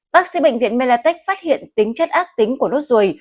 bác sĩ bệnh viện melatech phát hiện tính chất ác tính của nốt ruồi